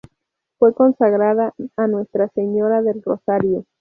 Fue consagrada a Nuestra Señora del Rosario.